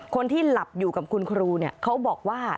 คนที่หลับอยู่กับคุณครูเขาบอกว่า